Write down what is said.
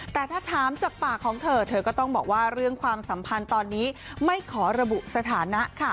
แต่ถ้าถามจากปากของเธอเธอก็ต้องบอกว่าเรื่องความสัมพันธ์ตอนนี้ไม่ขอระบุสถานะค่ะ